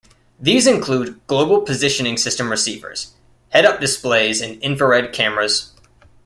These include Global Positioning System receivers, head-up displays and infrared cameras.